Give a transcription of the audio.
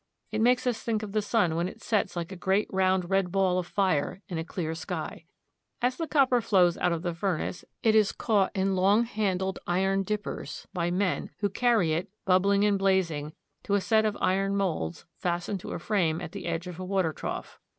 It makes us think of the sun when it sets like a great round red ball of fire in a clear sky. As the copper flows out of the furnace, it is caught in long handled iron dippers by men, who carry it, bubbling and blazing, to a set of iron molds fastened to a frame at the edge of a water trough.